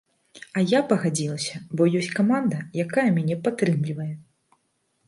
А я пагадзілася, бо ёсць каманда, якая мяне падтрымлівае.